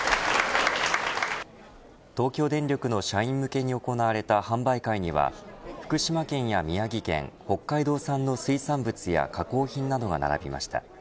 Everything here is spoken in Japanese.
東京電力の社員向けに行われた販売会には福島県や宮城県北海道産の水産物や加工品などが並びました。